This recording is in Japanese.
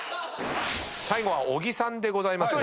最後は小木さんでございますが。